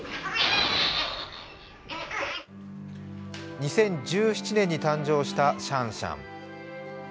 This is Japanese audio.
２０１７年に誕生したシャンシャン。